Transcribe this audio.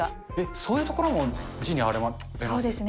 そういうところも字に表れまそうですね。